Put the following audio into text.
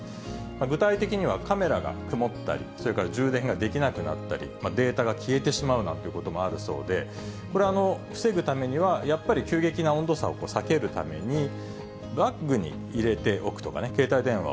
具体的には、カメラが曇ったり、それから充電ができなくなったり、データが消えてしまうなんていうこともあるそうで、これ、防ぐためにはやっぱり急激な温度差を避けるために、バッグに入れておくとかね、携帯電話を。